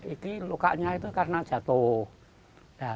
iki lukanya itu karena jatuh